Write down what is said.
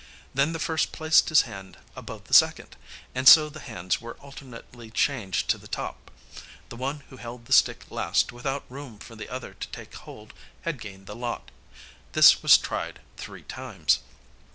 Then the first placed his hand above the second, and so the hands were alternately changed to the top. The one who held the stick last without room for the other to take hold had gained the lot. This was tried three times.